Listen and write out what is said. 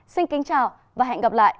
xin kính chào và hẹn gặp lại